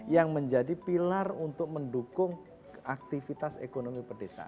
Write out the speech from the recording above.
yang menjadi pilar untuk mendukung aktivitas ekonomi perdesaan